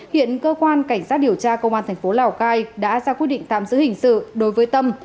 hiện cơ quan cảnh sát điều tra công an thành phố lào cai đã ra quyết định tạm giữ hình sự đối với tâm